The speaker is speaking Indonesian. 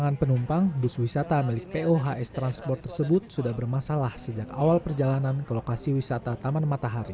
dengan penumpang bus wisata milik pohs transport tersebut sudah bermasalah sejak awal perjalanan ke lokasi wisata taman matahari